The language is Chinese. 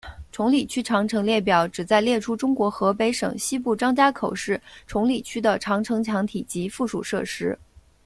崇礼区长城列表旨在列出中国河北省西部张家口市崇礼区的长城墙体及附属设施。